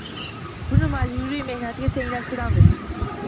Buni majburiy mehnatga tenglashtiramiz.